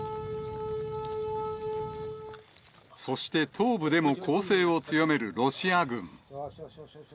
そして東部でも攻勢を強めるロシア軍。